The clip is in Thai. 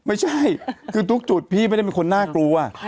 ไม่ใช่คือทุกจุดพี่ไม่ได้เป็นคนน่ากลัว